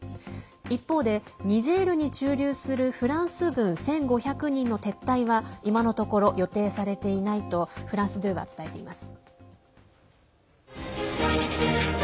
一方で、ニジェールに駐留するフランス軍１５００人の撤退は今のところ予定されていないとフランス２は伝えています。